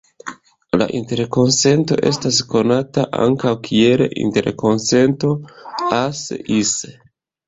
La interkonsento estas konata ankaŭ kiel interkonsento "As-Is".